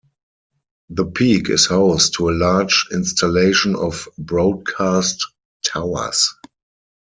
The peak is host to a large installation of broadcast towers.